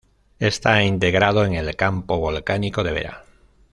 Está integrado en el campo volcánico de Vera.